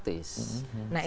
atau kesadaran praktis